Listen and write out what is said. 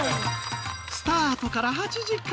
スタートから８時間。